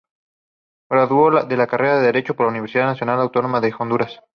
Graduado de la carrera de Derecho por la Universidad Nacional Autónoma de Honduras.